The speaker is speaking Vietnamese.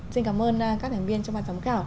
xin cảm ơn các thành viên trong bàn giám khảo